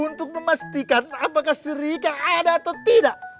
untuk memastikan apakah si rika ada atau tidak